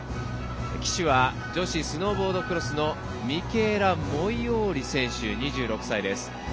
旗手は女子スノーボードクロスのミケーラ・モイオーリ選手２６歳です。